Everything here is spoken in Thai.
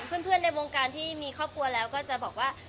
เพื่อนในวงการที่มีครอบครัวแล้วก็จะบอกว่า